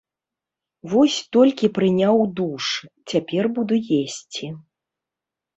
Вось толькі прыняў душ, цяпер буду есці.